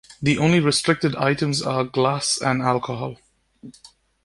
The only restricted items are glass and alcohol.